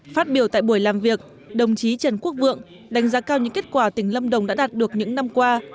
phát biểu tại buổi làm việc đồng chí trần quốc vượng đánh giá cao những kết quả tỉnh lâm đồng đã đạt được những năm qua